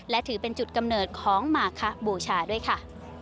และถือเป็นจุดกำเนิดของมาคะบูชาด้วยค่ะ